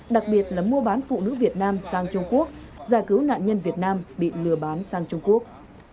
đặc biệt là mua bán phụ nữ việt nam sang trung quốc giải cứu nạn nhân việt nam bị lừa bán sang trung quốc